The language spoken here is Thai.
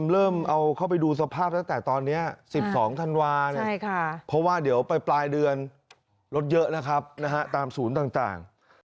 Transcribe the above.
เริ่มเอาเข้าไปดูสภาพตั้งแต่ตอนนี้๑๒ธันวาคมเพราะว่าเดี๋ยวไปปลายเดือนรถเยอะนะครับตามศูนย์ต่าง